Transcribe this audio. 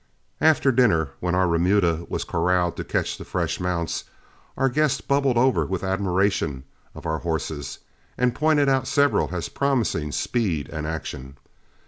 After dinner, when our remuda was corralled to catch fresh mounts, our guest bubbled over with admiration of our horses, and pointed out several as promising speed and action.